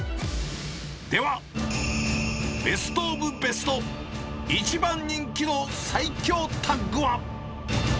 ではベスト・オブ・ベスト、一番人気の最強タッグは？